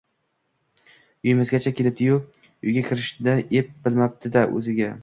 Uyimizgacha kelibdi-yu, uyga kirishni ep bilmabdi-da o`ziga